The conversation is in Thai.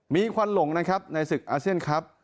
มีควันหลงนะครับในศึกอาเซียนครับ